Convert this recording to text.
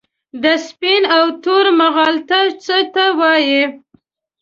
د سپین او تور مغالطه څه ته وايي؟